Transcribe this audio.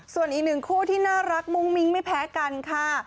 ส่วนอีกหนึ่งคู่ที่น่ารักมุ้งมิ้งไม่แพ้กันค่ะ